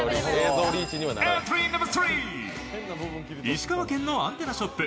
石川県のアンテナショップ